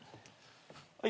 はい。